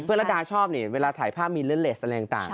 เพื่อนระดาษชอบเวลาถ่ายภาพมีเล่นเลสอะไรต่าง